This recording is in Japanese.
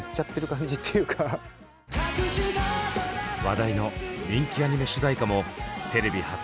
話題の人気アニメ主題歌もテレビ初披露！